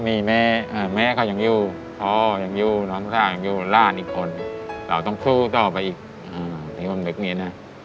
แม่แม่เขายังอยู่พ่อยังอยู่น้องสาวอยังอยู่ร่านอีกคนเราต้องชู้ต่อไปอีกถึงวันเหล็กนี้นะ